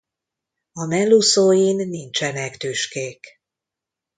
A mellúszóin nincsenek tüskék.